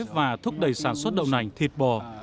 và thúc đẩy sản xuất đậu nành thịt bò